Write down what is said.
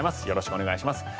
よろしくお願いします。